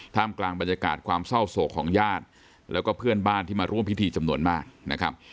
กลางบรรยากาศความเศร้าโศกของญาติแล้วก็เพื่อนบ้านที่มาร่วมพิธีจำนวนมากนะครับ